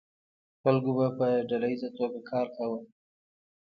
خلکو به په ډله ایزه توګه کار کاوه.